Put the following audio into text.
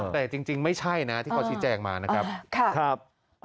แต่จริงไม่ใช่นะที่เขาชี้แจงมานะครับ